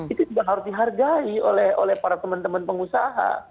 itu juga harus dihargai oleh para teman teman pengusaha